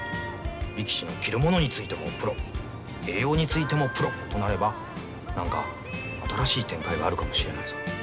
力士の着るものについてもプロ栄養についてもプロとなれば何か新しい展開があるかもしれないぞ。